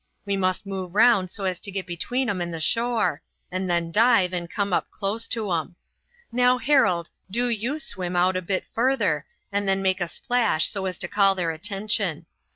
We must move round so as to get between 'em and the shore, and then dive and come up close to 'em. Now, Harold, do you swim out a bit further and then make a splash so as to call their attention.